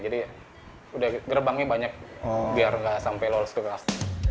jadi udah gerbangnya banyak biar nggak sampai lolos ke gas